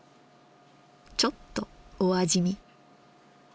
ちょっとお味見。